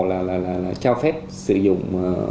là trao phép sử dụng